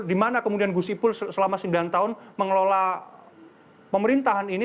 dimana kemudian gus ipul selama sembilan tahun mengelola pemerintahan ini